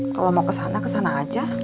kalau mau ke sana ke sana aja